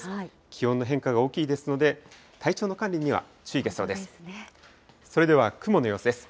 気温の変化が大きいですので、体調の管理には注意が必要です。